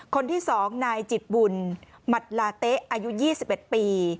คนที่๒นายจิตบุญหมัดลาเต๊ะอายุ๒๑ปี